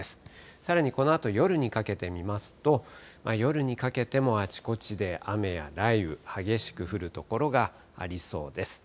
さらにこのあと夜にかけて見ますと、夜にかけてもあちこちで雨や雷雨、激しく降る所がありそうです。